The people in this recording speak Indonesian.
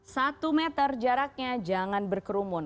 satu meter jaraknya jangan berkerumun